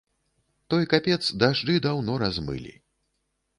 Той капец дажджы даўно размылі.